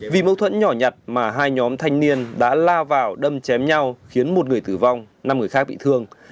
vì mâu thuẫn nhỏ nhặt mà hai nhóm thanh niên đã lao vào đâm chém nhau khiến một người tử vong năm người khác bị thương